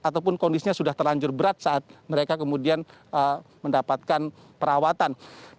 ataupun kondisinya sudah terlanjur berat saat mereka kemudian mendapatkan perawatan